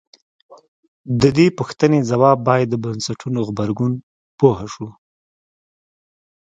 د دې پوښتنې ځواب باید د بنسټونو غبرګون پوه شو.